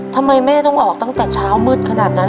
ทำไมแม่ต้องออกตั้งแต่เช้ามืดขนาดนั้น